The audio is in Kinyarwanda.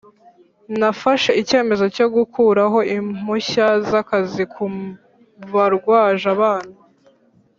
Nafashe icyemezo cyo gukuraho impushya z’akazi ku barwaje abana